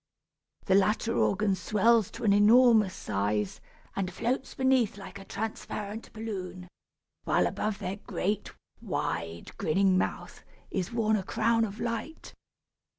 The latter organ swells to an enormous size, and floats beneath like a transparent balloon, while above their great, wide grinning mouth is worn a crown of light.